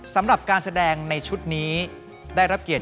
เกี่ยวกับเรื่องกลุ่มใหญ่